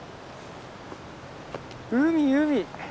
海海。